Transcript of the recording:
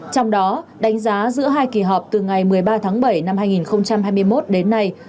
trong đó đánh giá giữa hai kỳ họp từ ngày một mươi ba tháng bảy năm hai nghìn hai mươi một đến nay